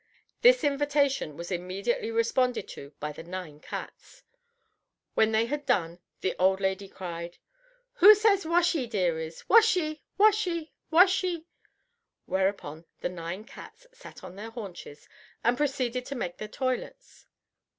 This invitation was immediately responded to by the nine cats. When they had done the old lady cried, "Who says washee, dearies? Washee, washee, washee?" Whereupon the nine cats sat on their haunches and proceeded to make their toilettes.